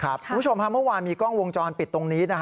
คุณผู้ชมเมื่อวานมีกล้องวงจรปิดตรงนี้